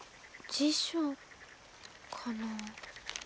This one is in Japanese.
辞書かな？